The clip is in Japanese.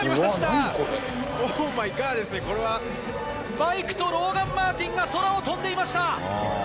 バイクとローガン・マーティンが空を飛んでいました！